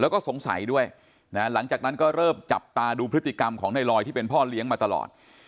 แล้วก็สงสัยด้วยนะหลังจากนั้นก็เริ่มจับตาดูพฤติกรรมของในลอยที่เป็นพ่อเลี้ยงมาตลอด